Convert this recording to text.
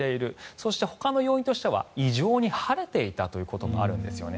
そして、ほかの要因としては異常に晴れていたということもあるんですね。